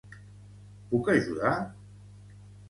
Puc ajudar?